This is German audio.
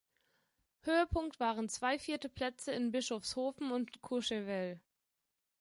Höhepunkt waren zwei vierte Plätze in Bischofshofen und Courchevel.